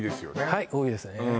はい多いですね